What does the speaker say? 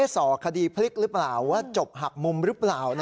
ส่อคดีพลิกหรือเปล่าว่าจบหักมุมหรือเปล่า